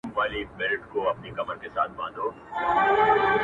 دغه ځانګړتياوي پر لوستونکو ژور اغېز کوي او فکر کولو ته يې هڅوي,